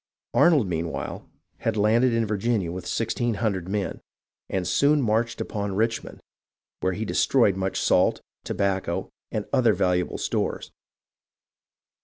Arnold, meanwhile, had landed in Virginia with 1600 men, and soon marched upon Richmond, where he de stroyed much salt, tobacco, and other valuable stores.